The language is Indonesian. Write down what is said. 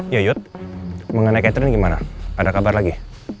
ya yud mengenai catherine gimana ada kabar lagi